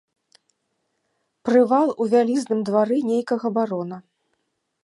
Прывал у вялізным двары нейкага барона.